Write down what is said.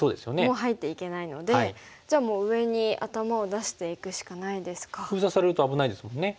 もう入っていけないのでじゃあもう上に頭を出していくしかないですか。封鎖されると危ないですもんね。